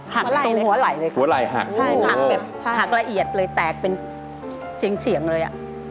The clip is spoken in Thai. หักตรงหัวไหล่เลยครับหักละเอียดเลยแตกเป็นเฉียงเลย